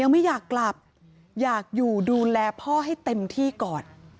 ไม่อยากกลับอยากอยู่ดูแลพ่อให้เต็มที่ก่อน